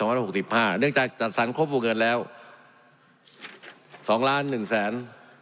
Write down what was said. เนื่องจากจัดสรรครบผู้เงินแล้วสองล้านหนึ่งแสน